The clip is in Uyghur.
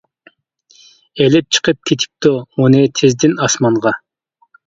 ئېلىپ چىقىپ كېتىپتۇ، ئۇنى تىزدىن ئاسمانغا.